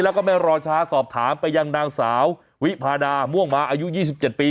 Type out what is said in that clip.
แล้วก็ไม่รอช้าสอบถามไปยังนางสาววิพาดาม่วงมาอายุ๒๗ปี